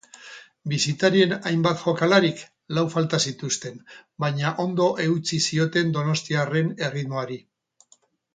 Bisitarien hainbat jokalarik lau falta zituzten, baina ondo eutsi zioten donostiarren erritmoari.